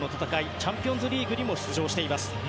チャンピオンズリーグにも出場しています。